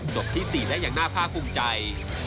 จบที่๔ได้อย่างน่าภาคภูมิใจ